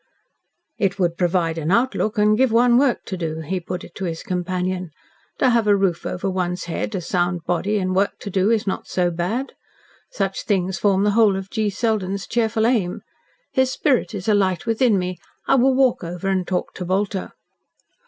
"It would provide an outlook and give one work to do," he put it to his companion. "To have a roof over one's head, a sound body, and work to do, is not so bad. Such things form the whole of G. Selden's cheerful aim. His spirit is alight within me. I will walk over and talk to Bolter."